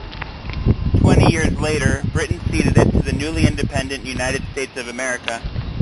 Twenty years later, Britain ceded it to the newly independent United States of America.